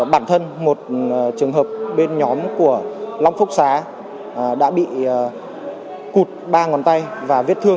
bản thân một trường hợp bên nhóm của long phúc xá đã bị cụt ba ngón tay và vết thương